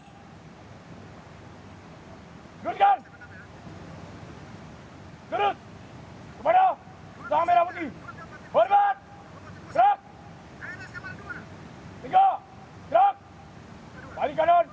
semua bidang momenzial diyen potongan milik